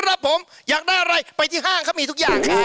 ออมตรมาหาสนุก